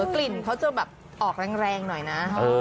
กลิ่นเขาจะแบบออกแรงหน่อยนะ